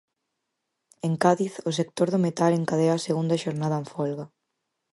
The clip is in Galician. En Cádiz, o sector do metal encadea a segunda xornada en folga.